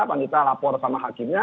panitra lapor sama hakimnya